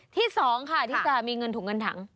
ที่๒ค่ะที่จะมีเงินถุงเงินถัง